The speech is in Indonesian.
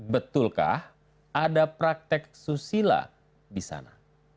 betulkah ada praktek susila di sana